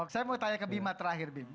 saya mau tanya ke bima terakhir bima